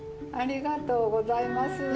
ありがとうございます。